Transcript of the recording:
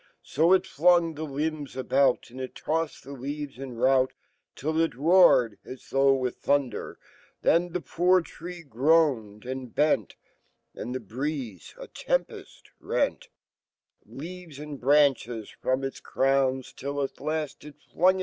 So it flung the limb* about, Andittoffed deleaves in rout, Till it ro a red, a Sfrvugh with thunder. Then fho poor tTee gfoaried and bent , And the breez0, a temper rent Leaves 'and branches frorriit5crwn; Till, at laft, it, flung.